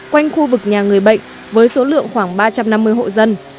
quanh khu vực nhà người bệnh với số lượng khoảng ba trăm năm mươi hộ dân